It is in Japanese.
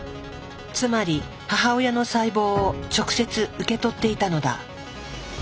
つまり母親の細胞を直接受け取っていたのだ。